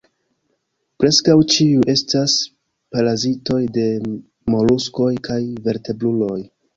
Preskaŭ ĉiuj estas parazitoj de moluskoj kaj vertebruloj.